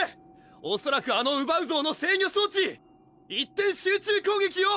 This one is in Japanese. おそらくあのウバウゾーの制御装置一点集中攻撃よ！